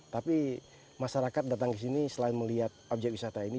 tapi masyarakat datang ke sini selain melihat objek wisata ini